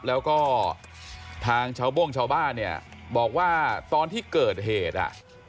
แล้วก็ทางชาวโบ้งชาวบ้านเนี่ยบอกว่าตอนที่เกิดเหตุอ่ะ